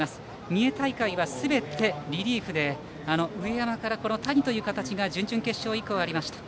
三重大会はすべてリリーフで上山から谷という形が準々決勝以降、ありました。